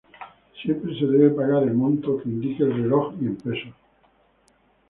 Siempre se debe pagar el monto que indique el reloj y en pesos.